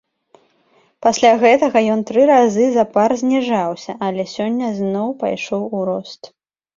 Пасля гэтага ён тры разы запар зніжаўся, але сёння зноў пайшоў у рост.